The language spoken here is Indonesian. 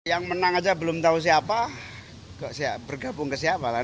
yang menang aja belum tahu siapa kok bergabung ke siapa kan